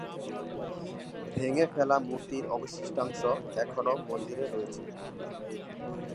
ভেঙে ফেলা মূর্তির অবশিষ্ট অংশ এখনও মন্দিরে রয়েছে।